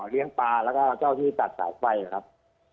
เลียนปลาและเจ้าที่จัดต่อไฟครับ